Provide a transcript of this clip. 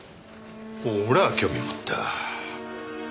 ほら興味持った。